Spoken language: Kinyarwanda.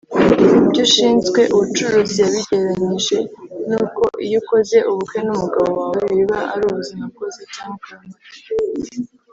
Ibyo ushinzwe ubucuruzi yabigereranyije n’uko iyo ukoze ubukwe n’umugabo wawe biba ari ubuzima bwose cyangwa akaramata